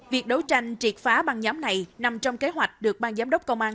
việc đấu tranh triệt phá băng nhóm này nằm trong kế hoạch được ban giám đốc công an